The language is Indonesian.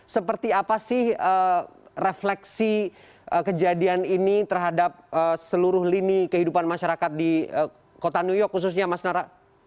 seperti apa sih refleksi kejadian ini terhadap seluruh lini kehidupan masyarakat di kota new york khususnya mas nara